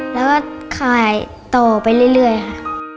แล้วก็ขายต่อไปเรื่อยค่ะ